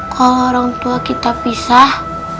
kalau orang tua kita pisah